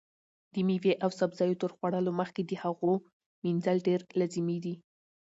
د مېوې او سبزیو تر خوړلو مخکې د هغو مینځل ډېر لازمي دي.